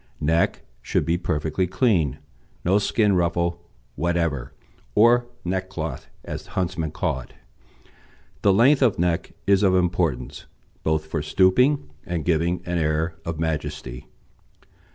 NECK Should be perfectly clean, no skin ruffle whatever, or neck cloth, as huntsmen call it. The length of neck is of importance, both for stooping and giving an air of majesty.